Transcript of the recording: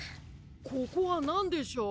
ここはなんでしょう。